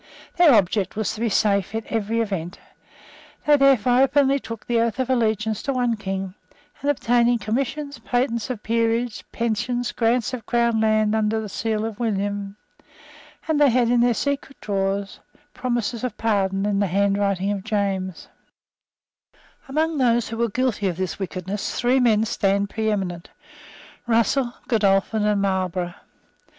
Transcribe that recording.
Their object was to be safe in every event. They therefore openly took the oath of allegiance to one King, and secretly plighted their word to the other. They were indefatigable in obtaining commissions, patents of peerage, pensions, grants of crown land, under the great seal of William; and they had in their secret drawers promises of pardon in the handwriting of James. Among those who were guilty of this wickedness three men stand preeminent, Russell, Godolphin and Marlborough.